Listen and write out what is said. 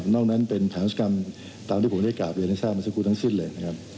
นอกนั้นเป็นฐานศกรรมตามที่ผมได้กราบเรียนให้ทราบมาสักครู่ทั้งสิ้นเลยนะครับ